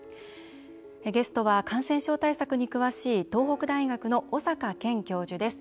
ゲストは、感染症対策に詳しい東北大学の小坂健教授です。